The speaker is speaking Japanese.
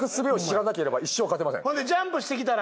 それでジャンプしてきたら。